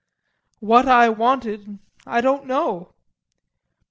What I wanted I don't know.